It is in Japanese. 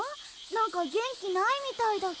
なんかげんきないみたいだけど。